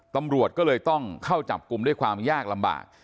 ตำรวจก็เลยต้องเข้าจับกลุ่มด้วยความยากลำบาก